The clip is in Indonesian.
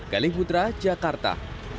di kudra jakarta